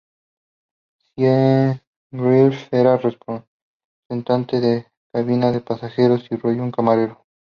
Siegfried era representante de cabina de pasajeros y Roy un camarero.